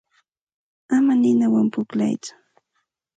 Ama ninawan pukllatsu.